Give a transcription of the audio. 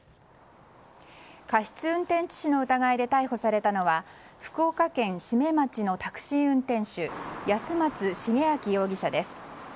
過失運転致死の疑いで逮捕されたのは福岡県志免町のタクシー運転手安松滋明容疑者です。